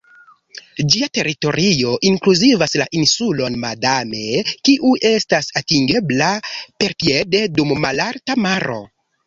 Ĝia teritorio inkluzivas la insulon Madame, kiu estas atingebla perpiede dum malalta maro.